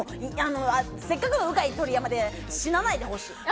せっかくのうかい鳥山で死なないでほしい。